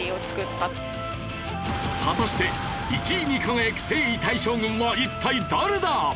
果たして１位に輝く征夷大将軍は一体誰だ？